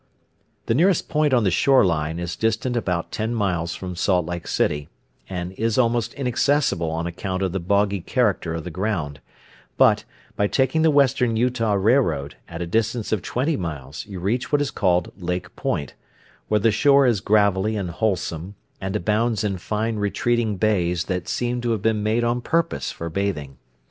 The nearest point on the shoreline is distant about ten miles from Salt Lake City, and is almost inaccessible on account of the boggy character of the ground, but, by taking the Western Utah Railroad, at a distance of twenty miles you reach what is called Lake Point, where the shore is gravelly and wholesome and abounds in fine retreating bays that seem to have been made on purpose for bathing.